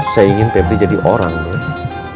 saya ingin pebri jadi orang doi